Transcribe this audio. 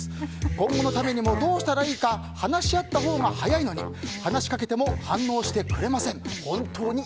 今後のためにもどうしたらいいか話し合ったほうが早いのに話しかけても反応してくれません。